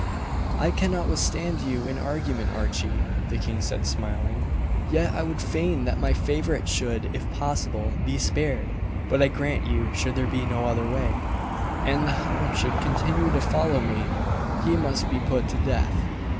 "I cannot withstand you in argument, Archie," the king said smiling; "yet I would fain that my favourite should, if possible, be spared. But I grant you, should there be no other way, and the hound should continue to follow me, he must be put to death.